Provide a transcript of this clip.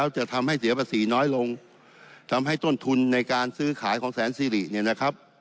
จะทำให้เสียภาษีน้อยลงทำให้ต้นทุนในการซื้อขายของแสนสิริเนี่ยนะครับ